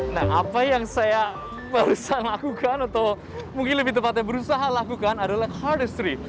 nah apa yang saya bisa lakukan atau mungkin lebih tepatnya berusaha lakukan adalah cardistry